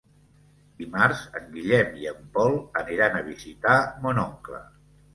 Dimarts en Guillem i en Pol aniran a visitar mon oncle.